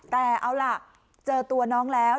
แต่เอาล่ะเจอตัวน้องแล้ว